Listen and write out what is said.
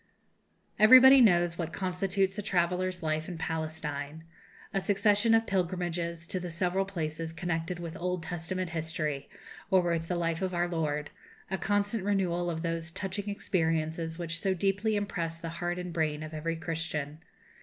Everybody knows what constitutes a traveller's life in Palestine: a succession of pilgrimages to the several places connected with Old Testament history, or with the life of our Lord; a constant renewal of those touching experiences which so deeply impress the heart and brain of every Christian.